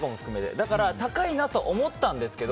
だから高いなと思ったんですけど